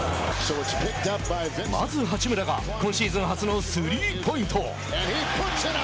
まず八村が今シーズン初のスリーポイント。